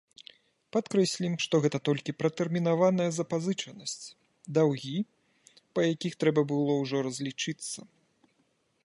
Падкрэслім, што гэта толькі пратэрмінаваная запазычанасць, даўгі, па якіх трэба было ўжо разлічыцца.